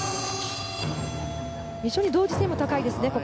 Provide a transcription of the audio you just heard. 非常にここまで同時性も高いですね。